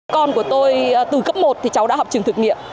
con của tôi từ cấp một thì cháu đã học trường thực nghiệm